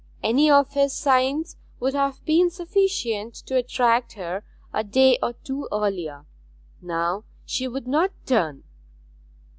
Any of his signs would have been sufficient to attract her a day or two earlier; now she would not turn.